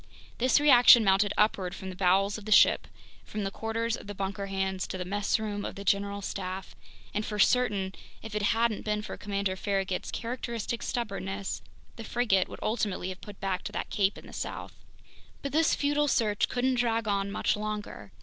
This reaction mounted upward from the bowels of the ship, from the quarters of the bunker hands to the messroom of the general staff; and for certain, if it hadn't been for Commander Farragut's characteristic stubbornness, the frigate would ultimately have put back to that cape in the south. But this futile search couldn't drag on much longer.